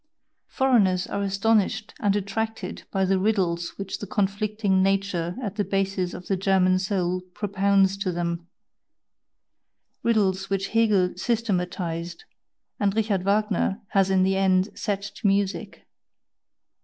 Foreigners are astonished and attracted by the riddles which the conflicting nature at the basis of the German soul propounds to them (riddles which Hegel systematised and Richard Wagner has in the end set to music).